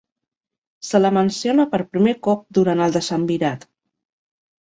Se la menciona per primer cop durant el decemvirat.